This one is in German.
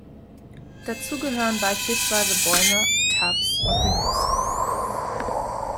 Dazu gehören beispielsweise Bäume, Tabs und Menüs.